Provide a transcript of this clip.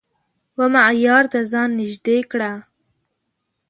و معیار ته ځان نژدې کړه